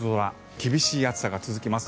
厳しい暑さが続きます。